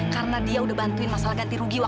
karena dia udah bantuin masalah ganti rugi